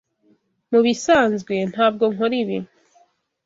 Mubisanzwe ntabwo nkora ibi.